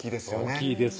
大っきいです